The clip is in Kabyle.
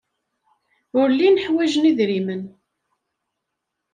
Ur llin ḥwajen idrimen.